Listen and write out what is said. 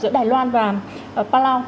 giữa đài loan và palau